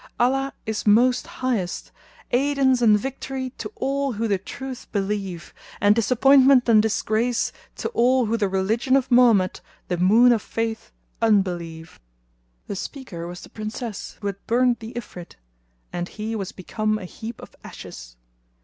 Allah is most Highest! Aidance and victory to all who the Truth believe; and disappointment and disgrace to all who the religion of Mohammed, the Moon of Faith, unbelieve." The speaker was the Princess who had burnt the Ifrit, and he was become a heap of ashes.